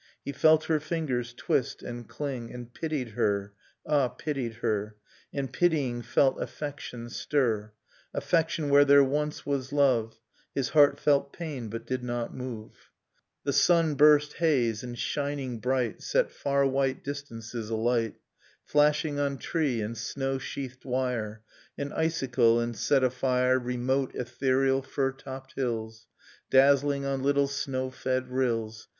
He felt her fingers twist and cling: And pitied her, — ah, pitied her! — And pitying, felt affection stir: Affection where there once was love; His heart felt pain, but did not move ... The sun burst haze, and shining bright Set far white distances alight, Flashing on tree and snow sheathed wire, And icicle, and set afire Remote ethereal fir topped hills, Dazzling on little snow fed rills.